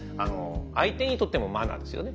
相手にとってもマナーですよね。